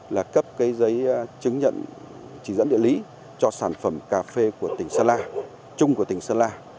là cấp cái giấy chứng nhận chỉ dẫn địa lý cho sản phẩm cà phê của tỉnh sơn la chung của tỉnh sơn la